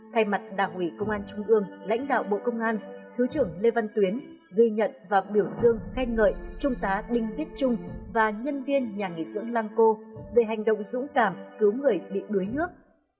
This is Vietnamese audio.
thay mặt đảng ủy công an trung ương lãnh đạo bộ công an thứ trưởng lê văn tuyến ghi nhận và biểu dương khen ngợi trung tá đinh viết trung và nhân viên nhà nghỉ dưỡng lăng cô về hành động dũng cảm cứu người bị đuối nước